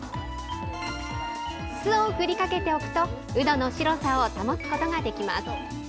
酢を振りかけておくと、うどの白さを保つことができます。